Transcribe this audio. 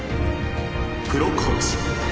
プロコーチ。